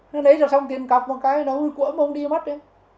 nói đấy rồi xong tiền cọc một cái là ông ấy cuộn mà ông ấy đi mất đi